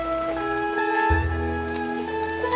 oke sampai jumpa